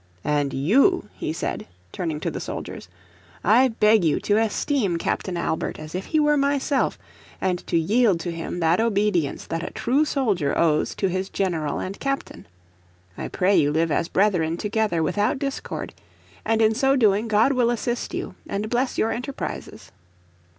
"And you," he said, turning to the soldiers, "I beg you to esteem Captain Albert as if he were myself, and to yield to him that obedience that a true soldier owes to his general and captain. I pray you live as brethren together without discord. And in so doing God will assist you, and bless your enterprises."